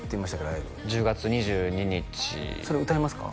ライブ１０月２２日それ歌いますか？